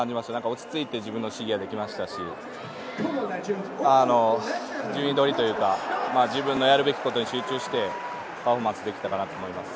落ち着いて自分の試技ができましたし、順位どおりというか自分のやるべきことに集中してパフォーマンスできたかなと思います。